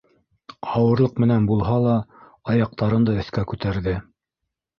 Ауырлыҡ менән булһа ла, аяҡтарын да өҫкә күтәрҙе.